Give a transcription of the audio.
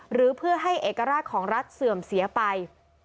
หรือเพื่อให้เอกราชของรัฐเสื่อมเสียไป